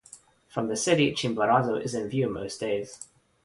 From the city, Chimborazo is in view most days.